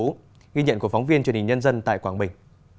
ghi nhận của phóng viên truyền hình nhân dân tại quảng bình